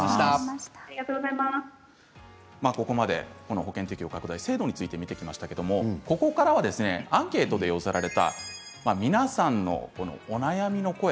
ここまで保険適用拡大の制度について見てきましたがここからはアンケートで寄せられた皆さんのお悩みの声